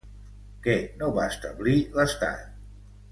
Què no va establir l'Estat?